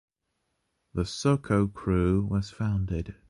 The Soko Crew was founded.